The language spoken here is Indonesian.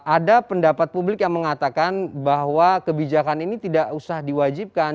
ada pendapat publik yang mengatakan bahwa kebijakan ini tidak usah diwajibkan